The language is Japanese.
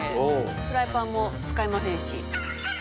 フライパンも使いませんし。